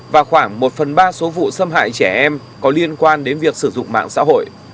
và khoảng một phần ba số vụ xâm hại trẻ em có liên quan đến việc sử dụng mạng xã hội